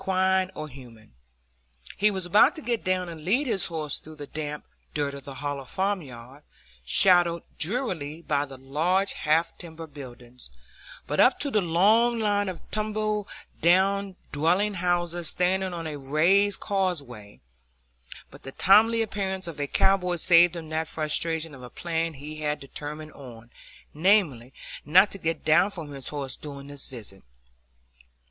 He was about to get down and lead his horse through the damp dirt of the hollow farmyard, shadowed drearily by the large half timbered buildings, up to the long line of tumble down dwelling houses standing on a raised causeway; but the timely appearance of a cowboy saved him that frustration of a plan he had determined on,—namely, not to get down from his horse during this visit.